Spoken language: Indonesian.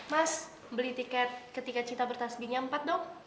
mas beli tiket ketika cinta bertas gini yang empat dong